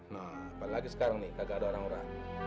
nah apalagi sekarang nih kagak ada orang orang